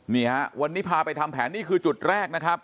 นี่ฮะวันนี้พาไปทำแผนนี่คือจุดแรกนะครับ